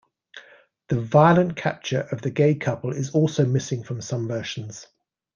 The violent capture of the gay couple is also missing from some versions.